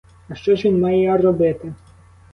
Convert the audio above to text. А що ж він має робити?